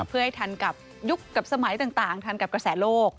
เพื่อให้ทันกับยุคกับสมัยต่างทันกับกระแสโลก